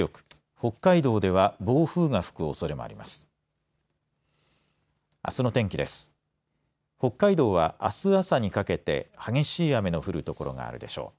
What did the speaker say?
北海道はあす朝にかけて激しい雨の降る所があるでしょう。